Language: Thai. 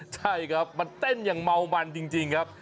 ใช่ครับมันเต้นอย่างเมามันจริงครับ